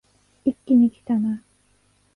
一気にきたな